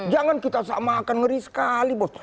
jangan kita samakan ngeri sekali bos